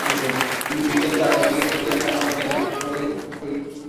কিন্তু বিকেল চারটার দিকে একই এলাকায় আবার জালে আটকা পড়ে ঘড়িয়ালটি।